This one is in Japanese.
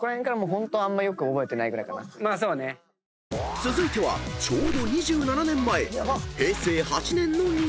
［続いてはちょうど２７年前］